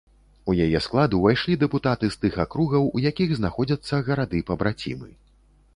У яе склад увайшлі дэпутаты з тых акругаў, у якіх знаходзяцца гарады-пабрацімы.